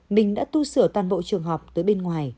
mình đã tu sửa toàn bộ trường học tới bên ngoài